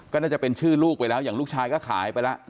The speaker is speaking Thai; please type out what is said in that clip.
ก็น่าจะเป็นชื่อลูกไปแล้วอย่างลูกชายก็ขายไปแล้ว